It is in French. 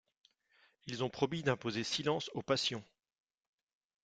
Ils ont promis d'imposer silence aux passions.